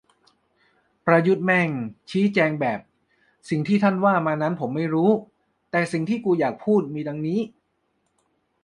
"ประยุทธ์แม่งชี้แจงแบบ สิ่งที่ท่านว่ามานั้นผมไม่รู้ แต่สิ่งที่กูอยากพูดมีดังนี้"